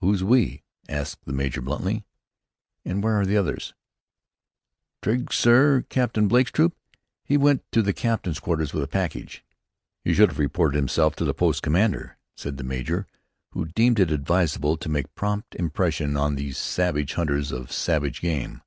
"Who's we?" asked the major, bluntly. "And where are the others?" "Trigg, sir Captain Blake's troop. He went to the captain's quarters with a package." "He should have reported himself first to the post commander," said the major, who deemed it advisable to make prompt impression on these savage hunters of savage game.